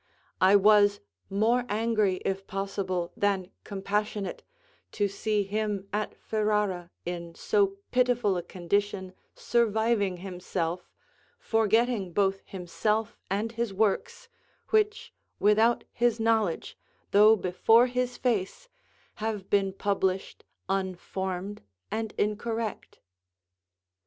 I was more angry, if possible, than compassionate, to see him at Ferrara in so pitiful a condition surviving himself, forgetting both himself and his works, which, without his knowledge, though before his face, have been published unformed and incorrect.